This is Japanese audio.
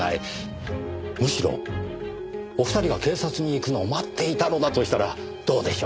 むしろお二人が警察に行くのを待っていたのだとしたらどうでしょう？